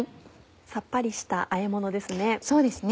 さっぱりしたあえものですね。